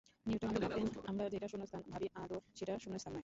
Newton ভাবলেন আমরা যেটা শূন্যস্থান ভাবি, আদৌ সেটা শূন্যস্থান নয়।